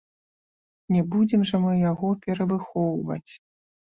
Не будзем жа мы яго перавыхоўваць.